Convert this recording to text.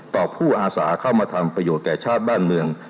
ผู้อาสาเข้ามาทำประโยชน์แก่ชาติบ้านเมือง